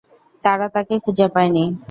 তারা তাকে খুঁজে পায় নি।